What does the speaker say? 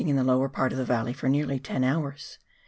in the lower part of tlie valley for nearly ten hours.